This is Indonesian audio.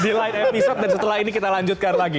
di lain episode dan setelah ini kita lanjutkan lagi